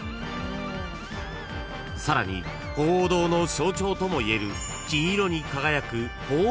［さらに鳳凰堂の象徴ともいえる金色に輝く］